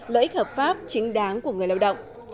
lợi ích hợp pháp chính đáng của người lao động